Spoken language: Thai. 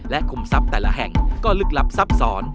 และคุมทรัพย์แต่ละแห่งก็ลึกลับซับซ้อน